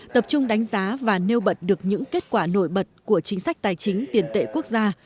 tập trung đánh giá và nêu bật được những kết quả nổi bật của chính sách tài chính tiền tệ quốc gia